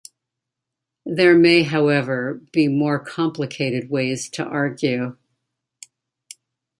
There may however be more complicated ways to argue.